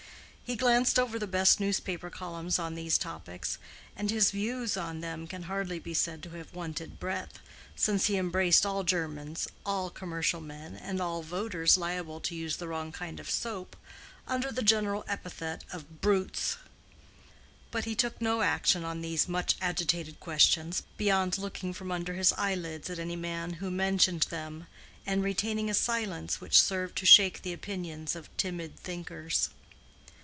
He glanced over the best newspaper columns on these topics, and his views on them can hardly be said to have wanted breadth, since he embraced all Germans, all commercial men, and all voters liable to use the wrong kind of soap, under the general epithet of "brutes;" but he took no action on these much agitated questions beyond looking from under his eyelids at any man who mentioned them, and retaining a silence which served to shake the opinions of timid thinkers.